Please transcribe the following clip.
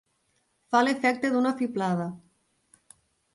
Fa l'efecte d'una fiblada.